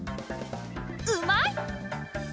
うまい！